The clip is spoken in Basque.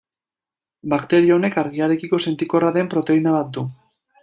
Bakterio honek argiarekiko sentikorra den proteina bat du.